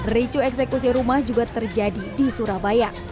ricu eksekusi rumah juga terjadi di surabaya